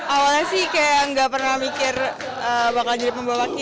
awalnya sih kayak nggak pernah mikir bakal jadi pembawa sih